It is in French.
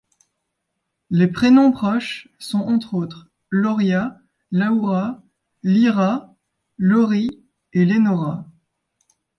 Les prénoms proches sont entre autres Loria, Laoura, Lyra, Lorrie et Lénora.